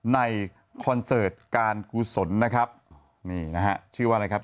คอนเสิร์ตการกุศลนะครับนี่นะฮะชื่อว่าอะไรครับ